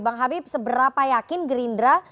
bang habib seberapa yakin gerindra